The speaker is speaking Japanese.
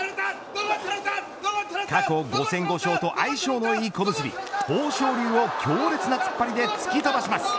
過去５戦５勝と相性のいい小結豊昇龍を強烈な突っ張りで突き飛ばします。